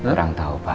kurang tahu pak